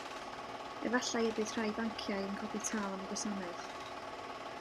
Efallai y bydd rhai banciau yn codi tâl am y gwasanaeth.